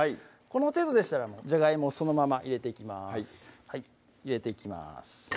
この程度でしたらじゃがいもそのまま入れていきます入れていきます